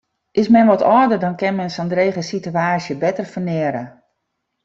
Is men wat âlder, dan kin men sa'n drege sitewaasje better ferneare.